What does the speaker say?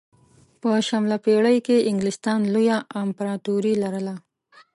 په شلمه پېړۍ کې انګلستان لویه امپراتوري لرله.